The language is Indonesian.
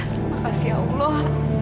terima kasih allah